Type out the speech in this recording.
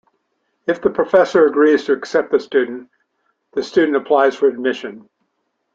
If the professor agrees to accept the student, the student applies for admission.